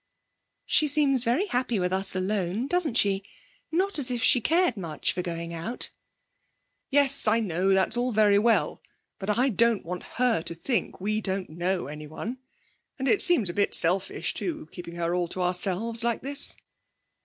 'She seems very happy with us alone, doesn't she? Not as if she cared much for going out.' 'Yes, I know; that's all very well. But I don't want her to think we don't know anyone. And it seems a bit selfish, too, keeping her all to ourselves like this.'